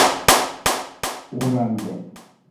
ომამდე სტადიონის ტერიტორიაზე მხოლოდ კომისარიატის შენობა იდგა.